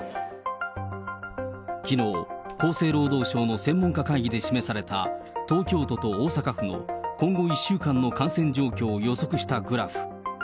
きのう、厚生労働省の専門家会議で示された、東京都と大阪府の今後１週間の感染状況を予測したグラフ。